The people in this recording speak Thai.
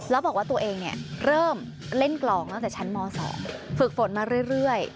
แล้วบอกว่าตัวเองเริ่มเล่นกลองตั้งแต่ชั้นม๒ฝึกฝนมาเรื่อย